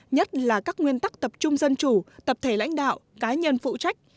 nhất là các nguyên tắc tập trung dân chủ tập thể lãnh đạo cá nhân phụ trách